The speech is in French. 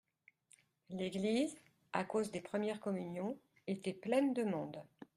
L'église, à cause des premières communions était pleine de monde.